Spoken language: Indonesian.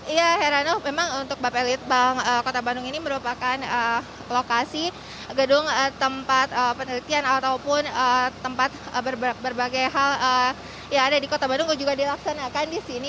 iya herano memang untuk bapelit bank kota bandung ini merupakan lokasi gedung tempat penelitian ataupun tempat berbagai hal yang ada di kota bandung juga dilaksanakan di sini